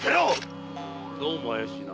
どうも怪しいな？